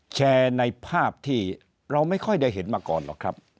แชร์ในภาพที่เราไม่ค่อยได้เห็นมาก่อนหรอกครับ